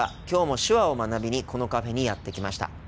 きょうも手話を学びにこのカフェにやって来ました。